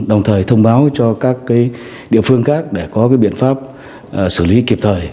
đồng thời thông báo cho các địa phương khác để có biện pháp xử lý kịp thời